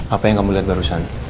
apa yang kamu lihat barusan